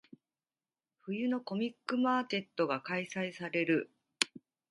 冬のコミックマーケットが開催される。